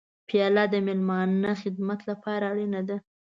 پیاله د میلمانه خدمت لپاره اړینه ده.